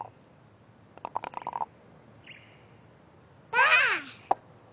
ばあっ！